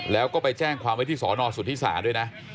แล้วก็ไปแจ้งความวิธีสอนอสุธิษฐานด้วยนะ